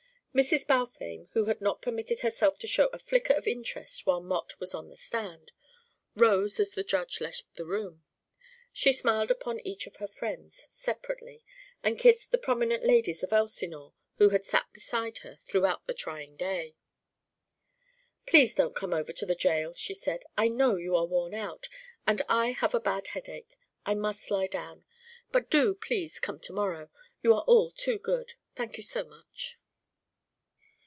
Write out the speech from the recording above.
Mrs. Balfame, who had not permitted herself to show a flicker of interest while Mott was on the stand, rose as the Judge left the room. She smiled upon each of her friends separately and kissed the prominent ladies of Elsinore who had sat beside her throughout that trying day. "Please don't come over to the jail," she said. "I know you are worn out, and I have a bad headache. I must lie down. But do please come to morrow. You are all too good. Thank you so much."